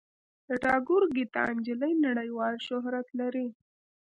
د ټاګور ګیتا نجلي نړیوال شهرت لري.